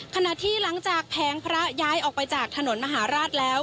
ขณะที่หลังจากแผงพระย้ายออกไปจากถนนมหาราชแล้ว